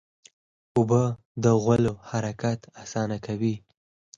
اوبه د غولو حرکت اسانه کوي.